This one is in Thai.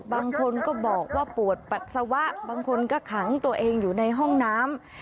บางคนก็บอกว่าปวดปัสสาวะบางคนก็ขังตัวเองอยู่ในห้องน้ำ